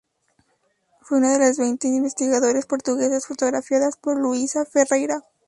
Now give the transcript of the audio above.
Fue una de las veinte investigadores portuguesas fotografiadas por Luísa Ferreira.